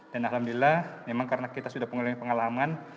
dan alhamdulillah memang karena kita sudah pengalaman